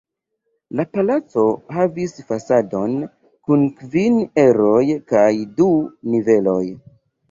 La palaco havis fasadon kun kvin eroj kaj du niveloj.